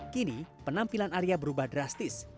kini penampilan arya berubah drastis